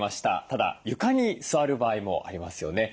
ただ床に座る場合もありますよね。